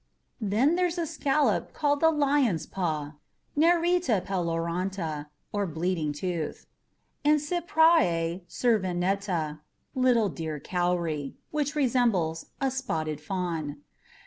Then there's a scallop called the Lion's Paw; NERITA PELORONTA, or Bleeding Tooth; and CYPRAEA CERVINETTA, "little deer cowrie" which resembles a spotted fawn.